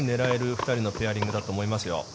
２人のペアリングだと思いますよ。